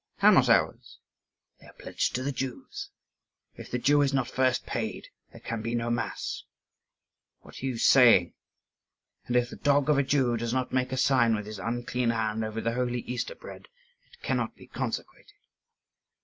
"How not ours?" "They are pledged to the Jews. If the Jew is not first paid, there can be no mass." "What are you saying?" "And if the dog of a Jew does not make a sign with his unclean hand over the holy Easter bread, it cannot be consecrated."